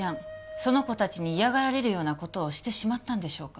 その子達に嫌がられるようなことをしてしまったんでしょうか？